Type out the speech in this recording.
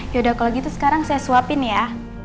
yaudah kalau gitu sekarang saya suapin ya